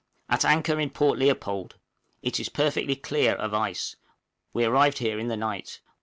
_ At anchor in Port Leopold; it is perfectly clear of ice; we arrived here in the night.